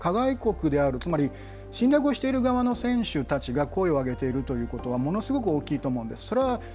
加害国であるつまり侵略をしている側の選手たちが声を上げているということはものすごく大きいと思うんです。